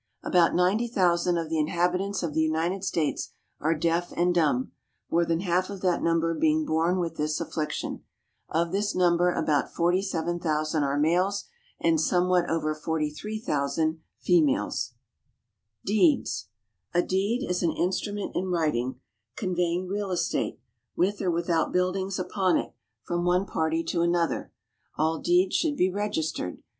= About 90,000 of the inhabitants of the United States are deaf and dumb, more than half of that number being born with this affliction. Of this number about 47,000 are males, and somewhat over 43,000 females. =Deeds.= A deed is an instrument in writing, conveying real estate, with or without buildings upon it, from one party to another. All deeds should be registered.